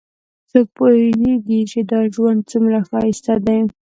څوک پوهیږي چې دا ژوند څومره ښایسته ده